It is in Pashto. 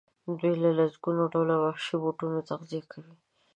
دوی له لسګونو ډوله وحشي بوټو تغذیه کوله.